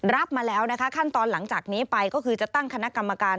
มาแล้วนะคะขั้นตอนหลังจากนี้ไปก็คือจะตั้งคณะกรรมการ